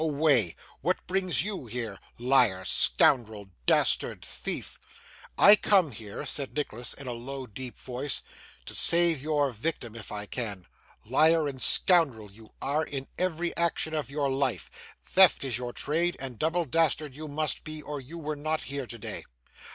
'Away! What brings you here? Liar, scoundrel, dastard, thief!' 'I come here,' said Nicholas in a low deep voice, 'to save your victim if I can. Liar and scoundrel you are, in every action of your life; theft is your trade; and double dastard you must be, or you were not here today.